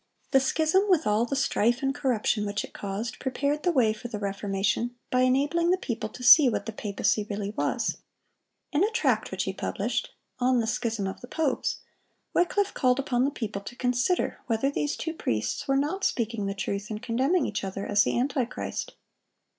The schism, with all the strife and corruption which it caused, prepared the way for the Reformation, by enabling the people to see what the papacy really was. In a tract which he published, "On the Schism of the Popes," Wycliffe called upon the people to consider whether these two priests were not speaking the truth in condemning each other as the antichrist.